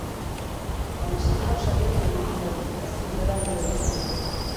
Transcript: Anselmo saiatu egin zen, ezin berak ere.